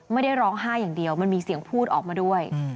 ไม่ได้ร้องไห้อย่างเดียวมันมีเสียงพูดออกมาด้วย